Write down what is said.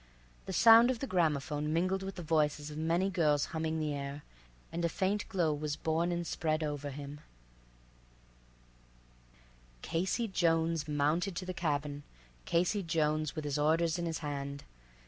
The sound of the graphophone mingled with the voices of many girls humming the air, and a faint glow was born and spread over him: "Casey Jones—mounted to the cab un Casey Jones—'th his orders in his hand.